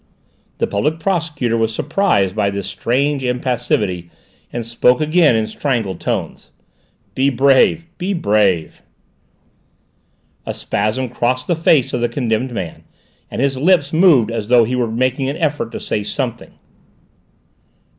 The Public Prosecutor was surprised by this strange impassivity and spoke again, in strangled tones. "Be brave! Be brave!" A spasm crossed the face of the condemned man, and his lips moved as though he were making an effort to say something.